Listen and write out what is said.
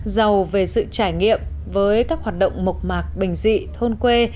giàu về sự trải nghiệm với các hoạt động mộc mạc bình dị thôn quê